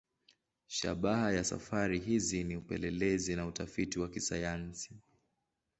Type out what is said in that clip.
Shabaha ya safari hizi ni upelelezi na utafiti wa kisayansi.